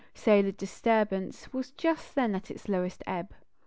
Solar disturbance was just then at its lowest ebb.